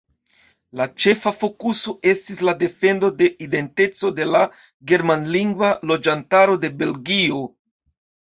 La ĉefa fokuso estis la defendo de identeco de la germanlingva loĝantaro de Belgio.